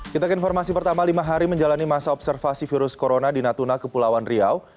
kita ke informasi pertama lima hari menjalani masa observasi virus corona di natuna kepulauan riau